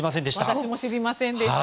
私も知りませんでした。